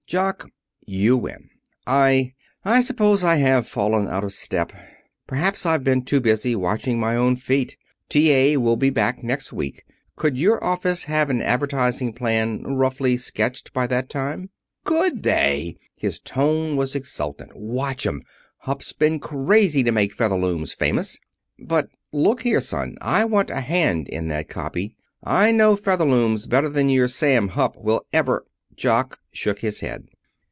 "Jock, you win. I I suppose I have fallen out of step. Perhaps I've been too busy watching my own feet. T.A. will be back next week. Could your office have an advertising plan roughly sketched by that time?" "Could they!" His tone was exultant. "Watch 'em! Hupp's been crazy to make Featherlooms famous." "But look here, son. I want a hand in that copy. I know Featherlooms better than your Sam Hupp will ever " Jock shook his head.